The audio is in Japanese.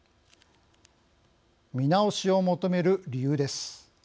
見直しを求める理由です。